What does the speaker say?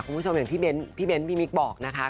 คุณผู้ชมอย่างที่พี่เบ้นพี่มิ๊กบอกนะคะ